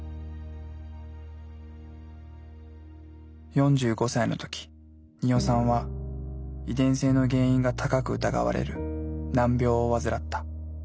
４５歳の時鳰さんは遺伝性の原因が高く疑われる難病を患った。